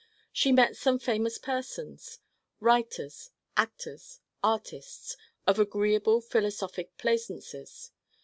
She met some famous persons writers, actors, artists of agreeable philosophic plaisances.